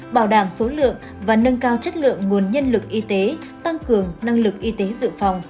bảo đảm số lượng và nâng cao chất lượng nguồn nhân lực y tế tăng cường năng lực y tế dự phòng